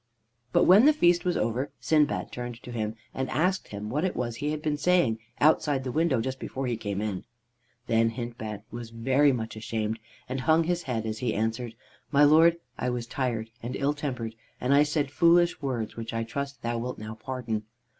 But when the feast was over Sindbad turned to him and asked him what it was he had been saying outside the window just before he came in. Then Hindbad was very much ashamed, and hung his head as he answered: "My lord, I was tired and ill tempered, and I said foolish words, which I trust thou wilt now pardon."